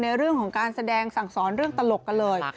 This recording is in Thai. ในเรื่องของการแสดงสั่งสอนเรื่องตลกกันเลย